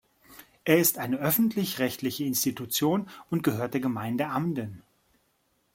Er ist eine öffentlich-rechtliche Institution und gehört der Gemeinde Amden.